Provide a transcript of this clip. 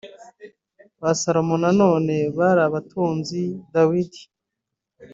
ba salomo na none bari abatunzi Dawidi